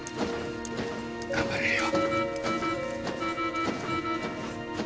頑張れるよ。